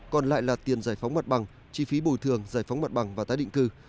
còn lại là tiền giải phóng mặt bằng chi phí bồi thường giải phóng mặt bằng và tái định cư